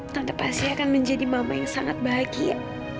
tanpa pasti akan menjadi mama yang sangat bahagia